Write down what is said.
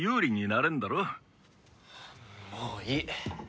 もういい。